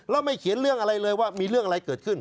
แล้วไม่เขียนเรื่องอะไรเลยว่ามีเรื่องอะไรเกิดขึ้น